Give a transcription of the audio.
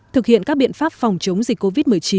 thực hiện các biện pháp phòng chống dịch covid một mươi chín